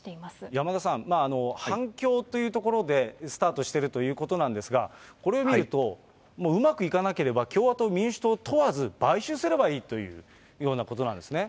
山田さん、反共というところでスタートしてるということなんですが、これを見ると、もううまくいかなければ、共和党、民主党問わず買収すればいいというようなことなんですね。